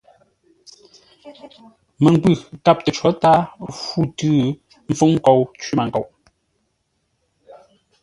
Məngwʉ̂ kâp tə có tǎa fû tʉ́ mpfúŋ nkou cwímənkoʼ.